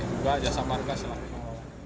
juga jasa marka selain itu